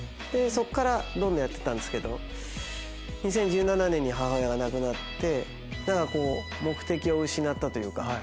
そっからどんどんやってったんですけど２０１７年に母親が亡くなって何かこう目的を失ったというか。